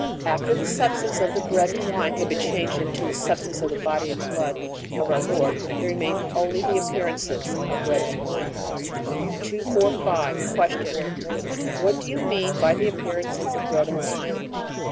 After the substance of the bread and wine had been changed into the substance of the body and blood of our Lord there remained only the appearances of bread and wine. 245. Q. What do you mean by the appearances of bread and wine?